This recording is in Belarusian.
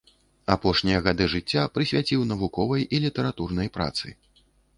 Апошнія гады жыцця прысвяціў навуковай і літаратурнай працы.